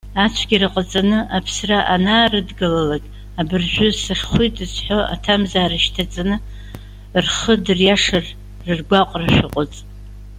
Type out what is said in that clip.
Ацәгьара ҟаҵаны, аԥсра анаарыдгылалак:- Абыржәы сахьхәит зҳәо, аҭамзаара шьҭаҵаны, рхы дыриашар, рыргәаҟра шәаҟәыҵ.